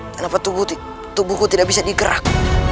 kenapa tubuhku tidak bisa digerak